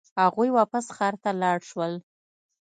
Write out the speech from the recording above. هغوی واپس ښار ته لاړ شول.